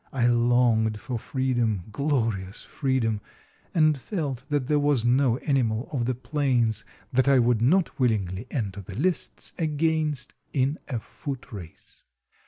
I longed for freedom—glorious freedom—and felt that there was no animal of the plains that I would not willingly enter the lists against in a foot race.